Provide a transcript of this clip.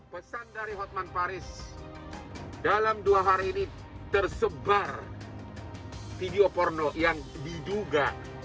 pesan dari hotman paris dalam dua hari ini tersebar video porno yang diduga